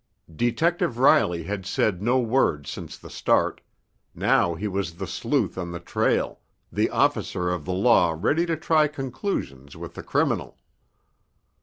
Detective Riley had said no word since the start—now he was the sleuth on the trail, the officer of the law ready to try conclusions with the criminal.